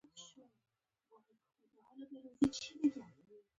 چې بله ورځ د جايز انتقاد کړکۍ هم پرې بنده شي.